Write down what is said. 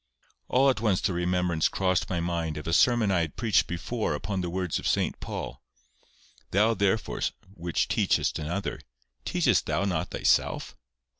All at once the remembrance crossed my mind of a sermon I had preached before upon the words of St Paul: "Thou therefore which teachest another, teachest thou not thyself?"